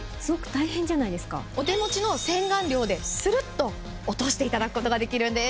お手持ちの洗顔料でスルっと落としていただくことができるんです。